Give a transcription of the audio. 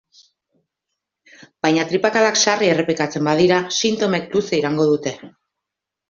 Baina tripakadak sarri errepikatzen badira, sintomek luze iraungo dute.